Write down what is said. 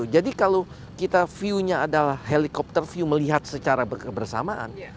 kalau kita view nya adalah helikopter view melihat secara kebersamaan